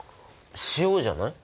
塩じゃない？